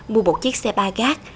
mua một chiếc xe ba gác